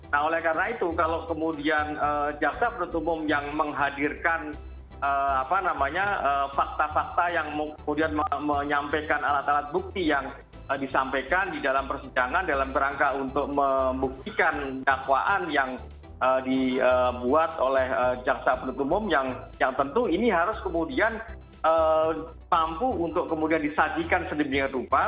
nah oleh karena itu kalau kemudian jaksa penutup umum yang menghadirkan fakta fakta yang kemudian menyampaikan alat alat bukti yang disampaikan di dalam persidangan dalam perangka untuk membuktikan dakwaan yang dibuat oleh jaksa penutup umum yang tentu ini harus kemudian mampu untuk kemudian disajikan sedemikian rupa